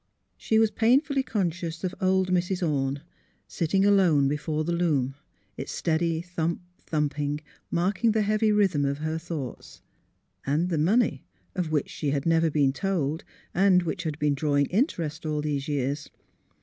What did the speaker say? She was painfully conscious of old Mrs. Orne, sitting alone before the loom; its steady thump thumping marking the heavy rhythm of her thoughts. And the money — of which she had never been told, and which had been drawing in terest all these years.